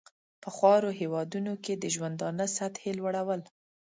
په خوارو هېوادونو کې د ژوندانه سطحې لوړول.